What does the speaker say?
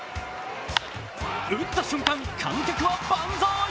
打った瞬間、観客は万歳。